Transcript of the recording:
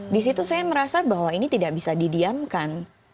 di situ saya merasa bahwa ini tidak bisa didiamkan